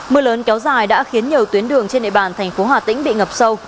mưa lớn kéo dài đã khiến nhiều tuyến đường trên nệ bàn thành phố hà tĩnh bị ngập sâu